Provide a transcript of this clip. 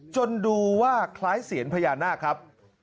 ดูว่าคล้ายเสียญพญานาคครับ